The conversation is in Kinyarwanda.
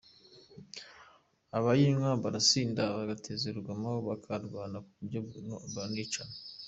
Abayinywa barasinda bagateza urugomo bakarwana kuburyo banicana.